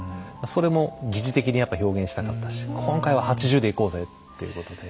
それも疑似的にやっぱ表現したかったし「今回は８０でいこうぜ」っていうことで。